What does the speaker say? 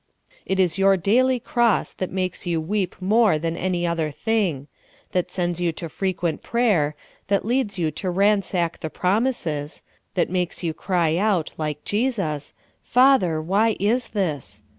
It is your daily cross that makes 3'ou weep more than any other thing ; that sends j^ou to frequent prayer ; that leads you to ransack the promises ; that makes 3'ou cry out, like Jesus, " Father, w^h}^ is this